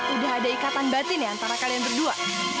udah ada ikatan batin ya antara kalian berdua